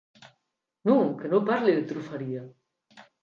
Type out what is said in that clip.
Non, que non parli de trufaria.